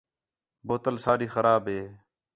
بوتل ساری خراب ہے